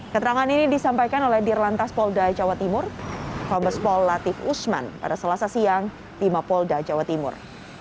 keterangan ini disampaikan oleh dirlantas polda jawa timur kombespol latif usman pada selasa siang di mapolda jawa timur